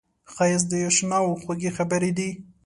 ښایست د اشناوو خوږې خبرې دي